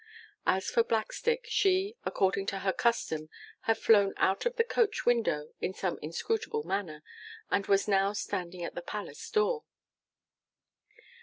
As for Blackstick, she, according to her custom, had flown out of the coach window in some inscrutable manner, and was now standing at the palace door.